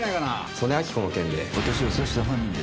曽根明子の件で。